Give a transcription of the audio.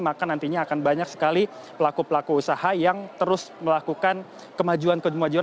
maka bisa diharapkan bisa menstimuluskan sekali pelaku pelaku usaha yang terus melakukan kemajuan kemajuan